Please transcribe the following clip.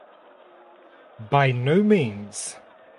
By no means.